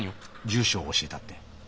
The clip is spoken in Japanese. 住所を教えたって。